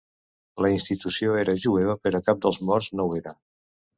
La institució era jueva però cap dels morts no ho era.